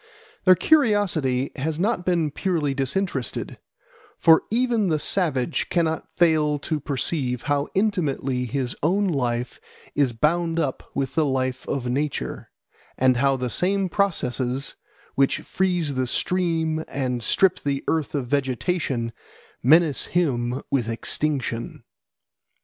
Their curiosity has not been purely disinterested; for even the savage cannot fail to perceive how intimately his own life is bound up with the life of nature, and how the same processes which freeze the stream and strip the earth of vegetation menace him with extinction.